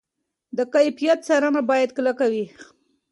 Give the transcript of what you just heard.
د کیفیت څارنه باید کلکه وي.